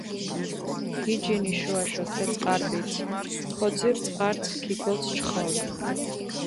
გიჯინ იშო-აშო თე წყარიპიცჷ, ქოძირჷ წყარცჷ ქჷგოძჷ ჩხომი.